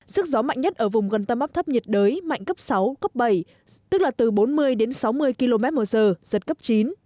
sức gió mạnh nhất ở vùng gần tâm áp thấp nhiệt đới mạnh cấp sáu cấp bảy tức là từ bốn mươi đến sáu mươi km một giờ giật cấp chín